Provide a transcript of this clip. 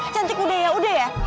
cantik udah ya udah ya